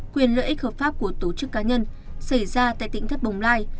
quyền lợi ích hợp pháp của tổ chức cá nhân xảy ra tại tỉnh thất bồng lai